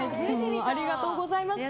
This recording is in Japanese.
ありがとうございます。